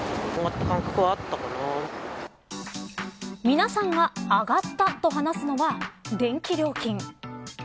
皆さんが上がったと話すのは電気料金。